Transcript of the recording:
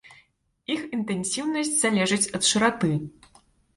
Іх інтэнсіўнасць залежыць ад шыраты.